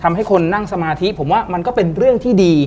ทำให้คนนั่งสมาธิผมว่ามันก็เป็นเรื่องที่ดี